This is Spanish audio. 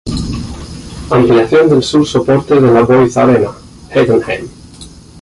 Ampliación del Sur soporte de la Voith-Arena, Heidenheim.